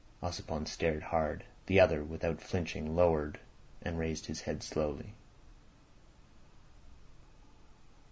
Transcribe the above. Ossipon stared hard. The other, without flinching, lowered and raised his head slowly.